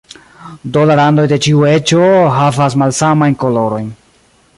Do la randoj de ĉiu eĝo havas malsamajn kolorojn.